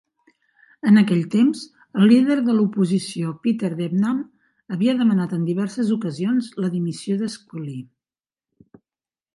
En aquell temps, el líder de l'oposició, Peter Debnam, havia demanat en diverses ocasions la dimissió d'Scully.